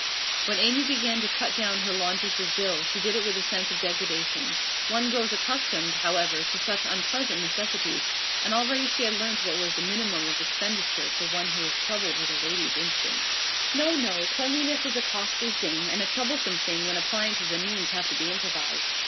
When Amy began to cut down her laundress's bill, she did it with a sense of degradation. One grows accustomed, however, to such unpleasant necessities, and already she had learnt what was the minimum of expenditure for one who is troubled with a lady's instincts. No, no; cleanliness is a costly thing, and a troublesome thing when appliances and means have to be improvised.